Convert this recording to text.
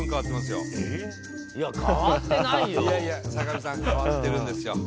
いやいや坂上さん変わってるんですよ。